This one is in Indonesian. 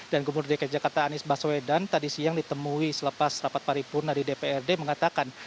dan gubernur dki jakarta anies baswedan tadi siang ditemui selepas rapat paripurna di dprd mengatakan